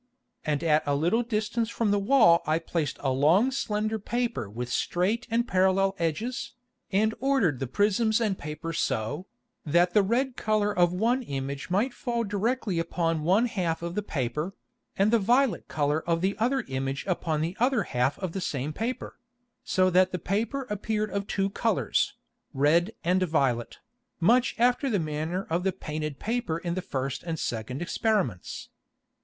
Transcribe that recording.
And at a little distance from the Wall I placed a long slender Paper with straight and parallel edges, and ordered the Prisms and Paper so, that the red Colour of one Image might fall directly upon one half of the Paper, and the violet Colour of the other Image upon the other half of the same Paper; so that the Paper appeared of two Colours, red and violet, much after the manner of the painted Paper in the first and second Experiments.